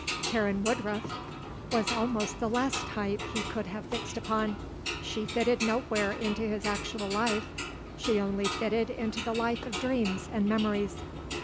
Karen Woodruff was almost the last type he could have fixed upon. She fitted nowhere into his actual life. She only fitted into the life of dreams and memories.